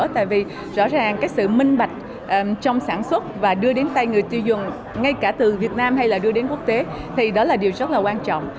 tại vì rõ ràng cái sự minh bạch trong sản xuất và đưa đến tay người tiêu dùng ngay cả từ việt nam hay là đưa đến quốc tế thì đó là điều rất là quan trọng